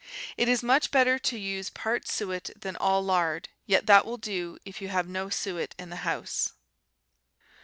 It is much better to use part suet than all lard, yet that will do if you have no suet in the house.